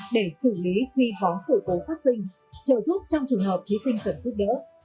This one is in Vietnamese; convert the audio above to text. để xử lý khi có sự cố phát sinh trợ giúp trong trường hợp thí sinh cần giúp đỡ